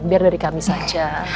biar dari kami saja